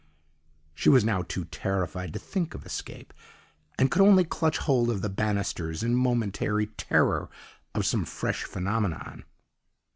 "She was now too terrified to think of escape, and could only clutch hold of the bannisters in momentary terror of some fresh phenomenon.